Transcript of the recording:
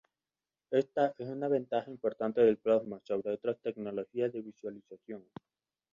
Esta es una ventaja importante del plasma sobre otras tecnologías de visualización.